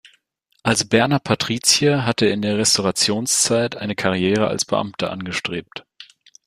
Als Berner Patrizier hatte er in der Restaurationszeit eine Karriere als Beamter angestrebt.